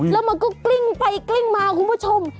แล้วมันก็กลิ้งไปกลิ้งมาคุณผู้ชม